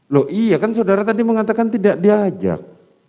loh iya kan saudara tadi mengatakan tidak diajak